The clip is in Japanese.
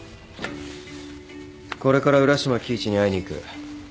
これから浦島亀一に会いに行く。